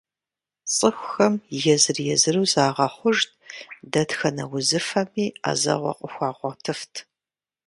Цӏыхухэм езыр-езыру загъэхъужт, дэтхэнэ узыфэми ӏэзэгъуэ къыхуагъуэтыфт.